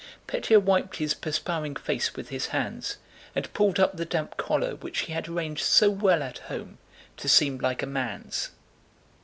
Pétya wiped his perspiring face with his hands and pulled up the damp collar which he had arranged so well at home to seem like a man's.